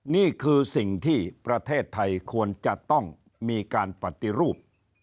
นี่คือสิ่งที่ประเทศไทยควรจะต้องมีการปฏิรูป